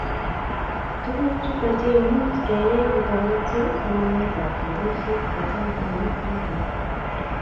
tuguk chuto chemuch keyay kotoreti somanetab nobishet kecham kogeny ak kogeny